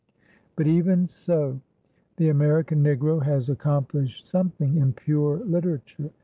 But, even so, the American Negro has accomplished something in pure literature.